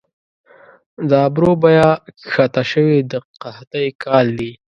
د ابرو بیه کښته شوې د قحطۍ کال دي